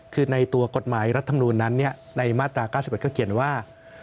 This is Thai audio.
คือในตัวกฎหมายรัฐธรรมนูลนั้นในมาตรา๙๑ก็เขียนว่า